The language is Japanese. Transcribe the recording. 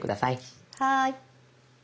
はい。